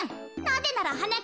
なぜならはな